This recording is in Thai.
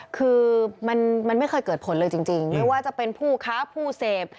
คือมันไม่เคยเกิดผลเลยจริงไม่ว่าจะเป็นผู้ค้าผู้เสพ